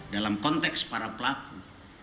dalam konteks para pelaku